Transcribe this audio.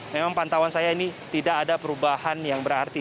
memang pantauan saya ini tidak ada perubahan yang berarti